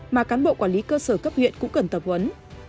mà cán bộ quản lý cơ sở cấp huyện cũng cần tập huấn